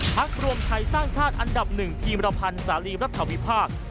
พักรวมไทยสร้างชาติอันดับหนึ่งพิมรพันธ์สาลีรัฐวิพาค